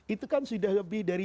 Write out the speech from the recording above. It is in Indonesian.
itu kan sudah lebih dari